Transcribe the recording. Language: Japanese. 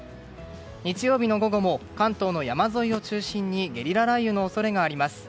日曜日の午後も関東の山沿いを中心にゲリラ雷雨の恐れがあります。